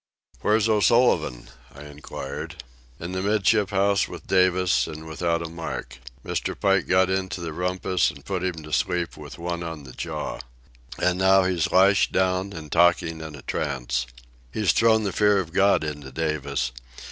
"Where's O'Sullivan?" I inquired. "In the 'midship house with Davis, and without a mark. Mr. Pike got into the rumpus and put him to sleep with one on the jaw. And now he's lashed down and talking in a trance. He's thrown the fear of God into Davis.